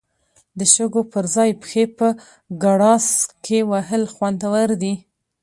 د شګو پر ځای پښې په ګراس کې وهل خوندور دي.